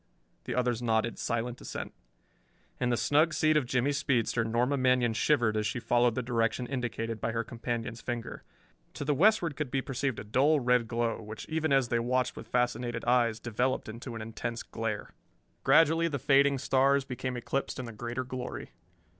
The others nodded silent assent. In the snug seat of Jimmie's speedster Norma Manion shivered as she followed the direction indicated by her companion's finger. It was that darkest hour which comes just before the dawn. To the westward could be perceived a dull, red glow, which, even as they watched with fascinated eyes, developed into an intense glare. Gradually the fading stars became eclipsed in the greater glory.